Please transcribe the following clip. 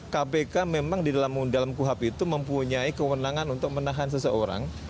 kpk memang di dalam kuhap itu mempunyai kewenangan untuk menahan seseorang